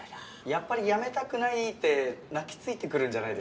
「やっぱり辞めたくない」って泣きついてくるんじゃ。